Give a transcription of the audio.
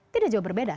tidak jauh berbeda